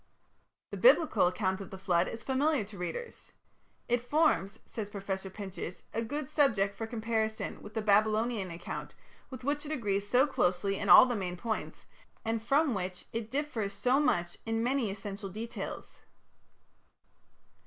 The Biblical account of the flood is familiar to readers. "It forms", says Professor Pinches, "a good subject for comparison with the Babylonian account, with which it agrees so closely in all the main points, and from which it differs so much in many essential details."